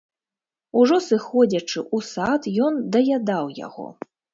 Ужо сыходзячы ў сад, ён даядаў яго.